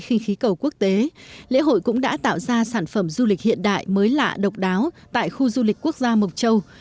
lễ hội cũng đã tạo ra sản phẩm du lịch hiện đại mới lạ độc đáo tại khu du lịch quốc gia mộc châu